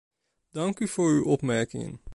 Dank u voor uw opmerkingen.